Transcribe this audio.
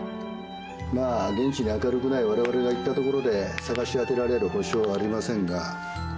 まあ現地に明るくないわれわれが行ったところで捜し当てられる保証はありませんが。